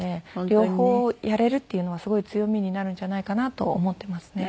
両方をやれるっていうのはすごい強みになるんじゃないかなとは思っていますね。